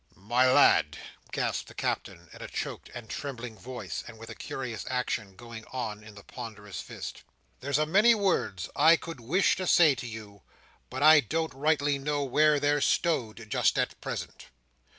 "My lad," gasped the Captain, in a choked and trembling voice, and with a curious action going on in the ponderous fist; "there's a many words I could wish to say to you, but I don't rightly know where they're stowed just at present.